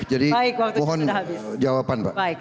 jadi mohon jawaban pak